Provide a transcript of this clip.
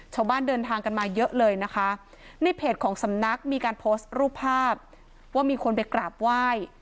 ชาวบ้านเดินทางกันมาเยอะเลยนะคะในเพจของสำนักมีการโพสต์รูปภาพว่ามีคนไปกราบไหว้